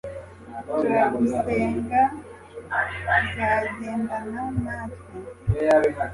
turagusenga uzagendana natwe